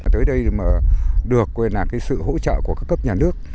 tới đây mà được cái sự hỗ trợ của các cấp nhà nước